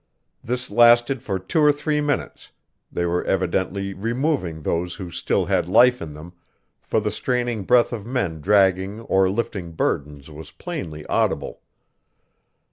This lasted for two or three minutes; they were evidently removing those who still had life in them, for the straining breath of men dragging or lifting burdens was plainly audible.